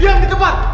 diam di tempat